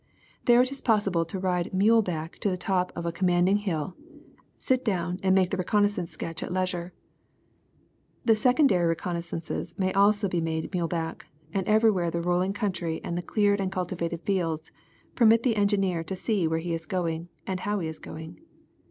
There it is possible to ride mule back to the top of a commanding hill, sit down and make the reconnaissance sketch at leisure. The secondary reconnaissances may also be made mule back, and everywhere the rolling country and the cleared and cultivated fields, permit the engineer to see where he is going and how he is going.